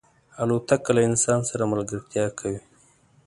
الوتکه له انسان سره ملګرتیا کوي.